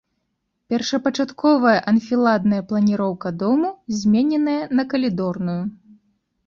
Першапачатковая анфіладная планіроўка дому змененая на калідорную.